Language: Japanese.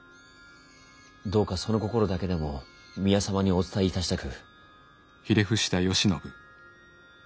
どうかその心だけでも宮様にお伝えいたしたく。